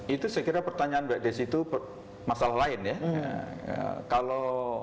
itu saya kira pertanyaan mbak desi itu masalah lain ya